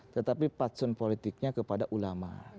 tetapi patsun politiknya kepada ulama